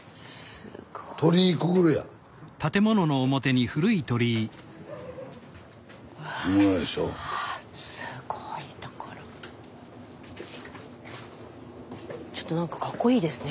スタジオちょっと何かかっこいいですね。